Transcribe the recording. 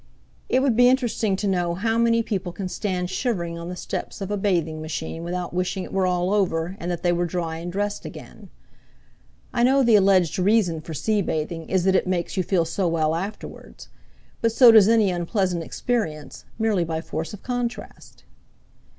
It would be interesting to know how many people can stand shivering on the steps of a bathing machine without wishing it were all over and that they were dry and dressed again. I know the alleged reason for sea bathing is that it makes you feel so well afterwards; but so does any unpleasant experience, merely by force of contrast.